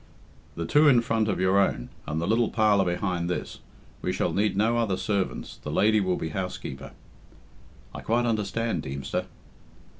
"The two in front of your own, and the little parlour behind this. We shall need no other servants the lady will be housekeeper." "I quite understand, Deemster."